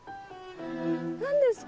何ですか？